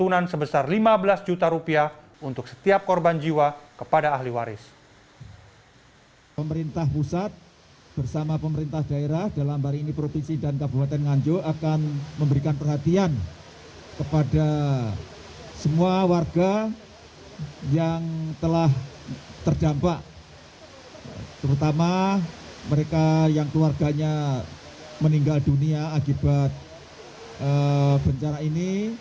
risma menyerahkan santunan sebesar lima belas juta rupiah untuk setiap korban jiwa kepada ahli waris